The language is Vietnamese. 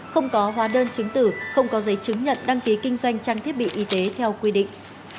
không có hóa đơn chứng tử không có giấy chứng nhận đăng ký kinh doanh trang thiết bị y tế theo quy định